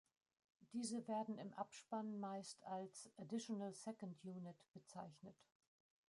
Diese werden im Abspann meist als "Additional Second Unit" bezeichnet.